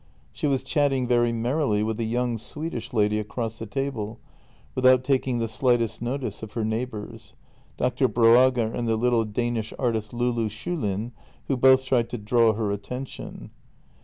She was chatting very merrily with a young Swedish lady across the table, without taking the slightest notice of her neighbours, Dr. Broager and the little Danish artist Loulou Schulin, who both tried to draw her attention.